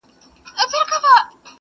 دی هم بل غوندي اخته په دې بلا سو!